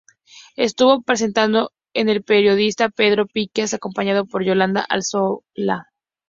Estuvo presentado por el periodista Pedro Piqueras, acompañado por Yolanda Alzola.